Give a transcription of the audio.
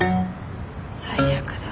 最悪だ。